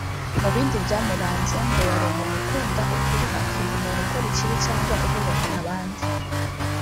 Mu bindi byamuranze ngo yari umuntu ukunda ukuri akanga umuntu ukora ikibi cyangwa uhohotera abandi